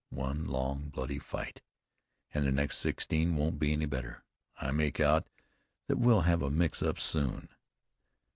One long bloody fight, an' the next sixteen won't be any better. I make out that we'll have a mix up soon.